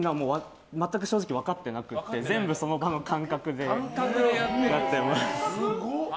全く正直分かっていなくて全部その場の感覚でやってます。